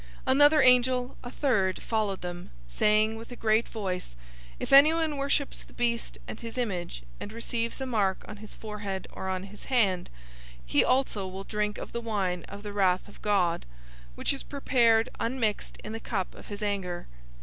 014:009 Another angel, a third, followed them, saying with a great voice, "If anyone worships the beast and his image, and receives a mark on his forehead, or on his hand, 014:010 he also will drink of the wine of the wrath of God, which is prepared unmixed in the cup of his anger.